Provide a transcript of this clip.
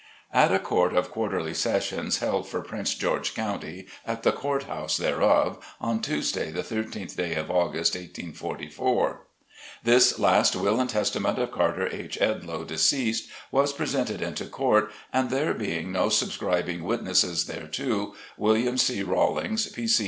At a Court of Quarterly Sessions, held for Prince George County, at the Court House thereof, on Tuesday, the 13th day of August, 1844: This last Will and Testament of Carter H. Edloe, dec'd, was presented into Court, and there being no subscribing witnesses thereto, William C. Raw lings, P. C.